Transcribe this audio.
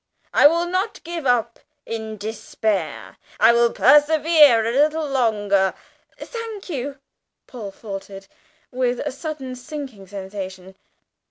I will not give up in despair I will persevere a little longer." "Thank you!" Paul faltered, with a sudden sinking sensation.